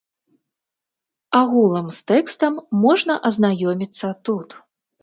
Агулам з тэкстам можна азнаёміцца тут.